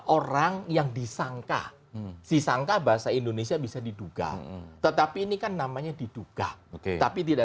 orang yang disangka si sangka bahasa indonesia bisa diduga tetapi ini kan namanya diduga tapi tidak